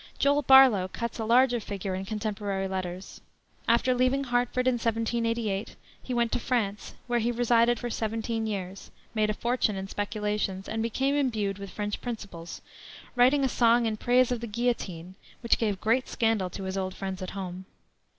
Joel Barlow cuts a larger figure in contemporary letters. After leaving Hartford, in 1788, he went to France, where he resided for seventeen years, made a fortune in speculations, and became imbued with French principles, writing a song in praise of the Guillotine, which gave great scandal to his old friends at home.